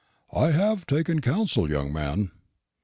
"I have taken counsel, young man."